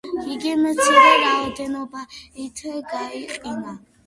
იგი მცირე რაოდენობით გაიყიდა.